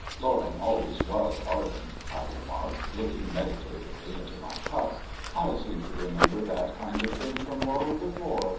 "Loring always was ardent," I remarked, looking meditatively into my cup. "I seem to remember that kind of thing from Loring before.